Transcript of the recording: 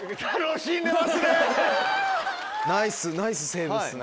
ナイスナイスセーブですね。